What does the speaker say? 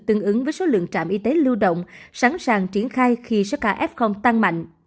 tương ứng với số lượng trạm y tế lưu động sẵn sàng triển khai khi sars cov hai tăng mạnh